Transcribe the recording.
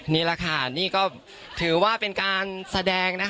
นี่แหละค่ะนี่ก็ถือว่าเป็นการแสดงนะคะ